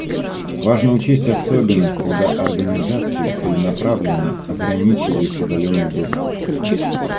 Важно учесть особенность, когда организации целенаправленно ограничивают удаленный доступ